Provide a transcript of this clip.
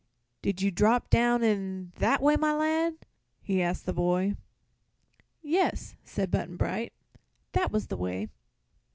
Did you drop down in that way, my lad?" he asked the boy. "Yes," said Button Bright; "that was the way."